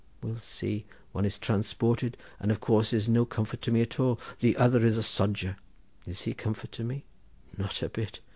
We'll see—one is transported, and of course is no comfort to me at all. The other is a sodger. Is he a comfort to me? not a bit.